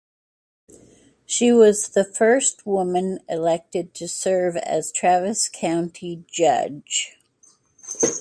She was the first woman elected to the serve as Travis County Judge.